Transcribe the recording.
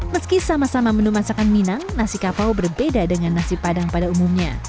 meski sama sama menu masakan minang nasi kapau berbeda dengan nasi padang pada umumnya